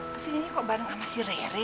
keseninya kok bareng sama si rere